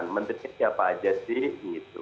menurutnya siapa aja sih